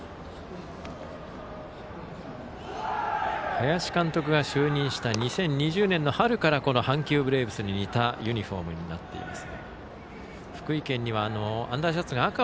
林監督が就任した２０２０年の春から阪急ブレーブスに似たユニフォームになっています。